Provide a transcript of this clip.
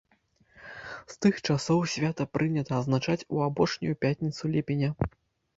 З тых часоў свята прынята адзначаць у апошнюю пятніцу ліпеня.